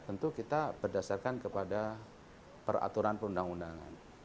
tentu kita berdasarkan kepada peraturan perundang undangan